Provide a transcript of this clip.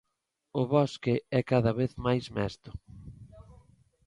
o bosque é cada vez máis mesto.